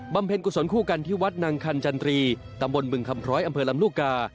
เพ็ญกุศลคู่กันที่วัดนางคันจันตรีตำบลบึงคำพร้อยอำเภอลำลูกกา